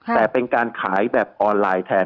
แต่เป็นการขายแบบออนไลน์แทน